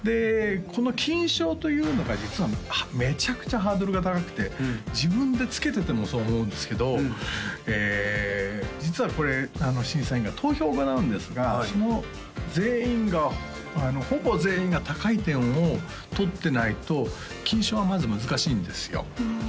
この金賞というのが実はめちゃくちゃハードルが高くて自分でつけててもそう思うんですけど実はこれ審査員が投票を行うんですがその全員がほぼ全員が高い点を取ってないと金賞はまず難しいんですよ